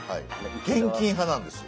現金派なんですよ。